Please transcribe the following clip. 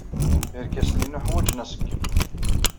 Irkasen-inu ḥwajen aṣeggem.